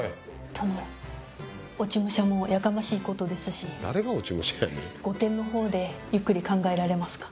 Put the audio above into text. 殿落ち武者もやかましいことですし誰が落ち武者やねん御殿の方でゆっくり考えられますか？